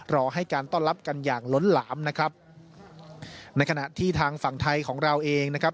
รอให้การต้อนรับกันอย่างล้นหลามนะครับในขณะที่ทางฝั่งไทยของเราเองนะครับ